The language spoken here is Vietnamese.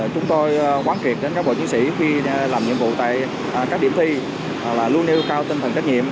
chúng tôi quán triệt đến các bộ chiến sĩ khi làm nhiệm vụ tại các điểm thi là luôn nêu cao tinh thần trách nhiệm